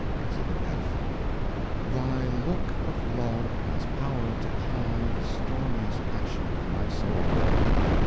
Exhibit F "Thy look of love has power to calm The stormiest passion of my soul."